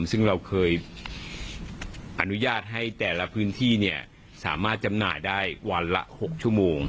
ซึ่งเราเคยอนุญาตให้แต่ละพื้นที่สามารถจำหน่ายได้วันละ๖ชั่วโมง